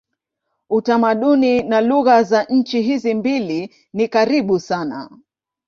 Utamaduni na lugha za nchi hizi mbili ni karibu sana.